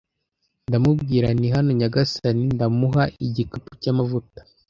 Ndamubwira nti: “Hano, nyagasani,” ndamuha igikapu cy'amavuta